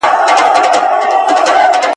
ـ نو يوازې په سلاد خېټه مړېږي؟